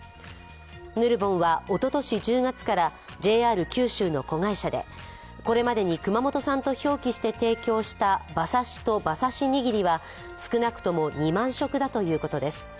ヌルボンはおととし１０月からＪＲ九州の子会社でこれまでに熊本産と表記して提供した馬刺しと馬刺し握りは少なくとも２万食だということです